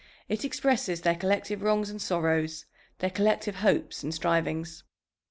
It expresses their collective wrongs and sorrows, their collective hopes and strivings.